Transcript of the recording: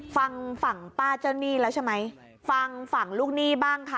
ฟังฝั่งป้าเจ้าหนี้แล้วใช่ไหมฟังฝั่งลูกหนี้บ้างค่ะ